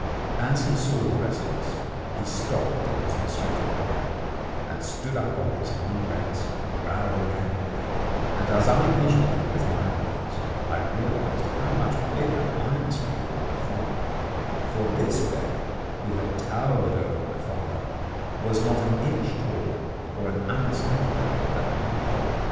As he saw the rest of us, he stopped in his pursuit of Wahka, and stood up on his hind legs growling angrily; and as I measured him with my eyes I realized how much bigger I must be than my father, for this bear, who had towered over my father, was not an inch taller or an ounce heavier than I.